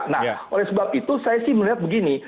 nah oleh sebab itu saya sih melihat begini